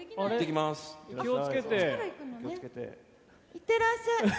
行ってらっしゃい！